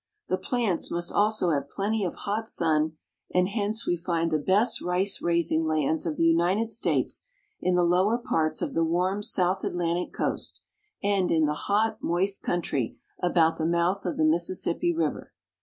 The plants must also have plenty of hot sun, and hence we find the best rice raising lands of the United States in the lower parts of the warm South Atlantic coast and in the hot, moist country about the mouth of the Mississippi River.